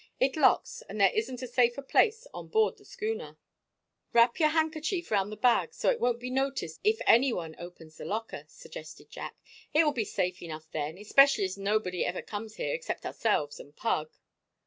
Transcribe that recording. "It locks, and there isn't a safer place on board the schooner." [Illustration: 0031] "Wrap your handkerchief round the bag, so it won't be noticed if any one opens the locker," suggested Jack. "It will be safe enough then, especially as nobody ever comes here except ourselves and Pug."